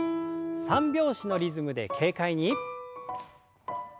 三拍子のリズムで軽快に。